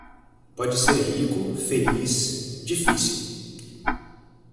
Pode ser rico, feliz - difícil.